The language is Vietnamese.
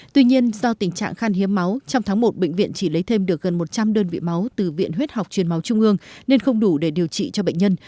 tuy nhiên do tình trạng khan hiếm máu trong tháng một bệnh viện chỉ lấy thêm được gần một trăm linh đơn vị máu từ viện huyết học truyền máu trung ương nên không đủ để điều trị cho bệnh nhân